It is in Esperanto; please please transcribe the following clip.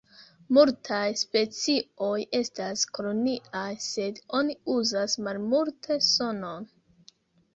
Multaj specioj estas koloniaj sed oni uzas malmulte sonon.